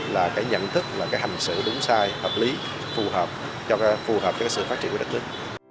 là cái nhận thức là cái hành sự đúng sai hợp lý phù hợp với sự phát triển của đất nước